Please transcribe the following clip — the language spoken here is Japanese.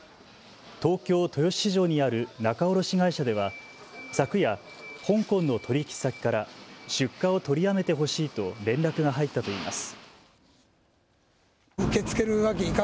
東京豊洲市場にある仲卸会社では昨夜、香港の取引先から出荷を取りやめてほしいと連絡が入ったといいます。